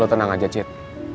lo tenang aja cik